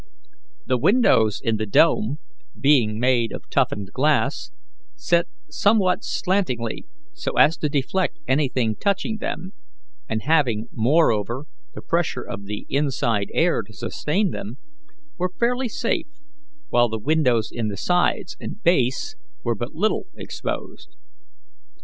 The windows in the dome, being made of toughened glass, set somewhat slantingly so as to deflect anything touching them, and having, moreover, the pressure of the inside air to sustain them, were fairly safe, while the windows in the sides and base were but little exposed.